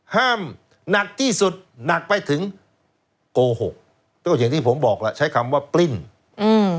หนักที่สุดหนักไปถึงโกหกก็อย่างที่ผมบอกแล้วใช้คำว่าปลิ้นอืม